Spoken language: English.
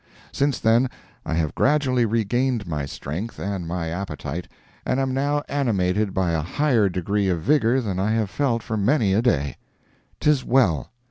Since then, I have gradually regained my strength and my appetite, and am now animated by a higher degree of vigor than I have felt for many a day. 'Tis well.